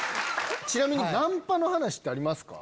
ちなみにナンパの話ってありますか？